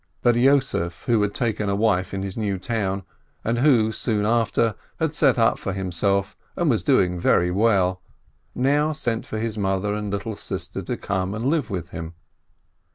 But Yossef, who had taken a wife in his new town, and who, soon after, had set up for himself, and was doing very well, now sent for his mother and little sister to come and live with him.